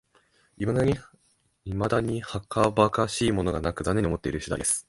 いまだにはかばかしいものがなく、残念に思っている次第です